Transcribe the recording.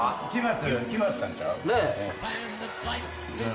決まったんちゃう？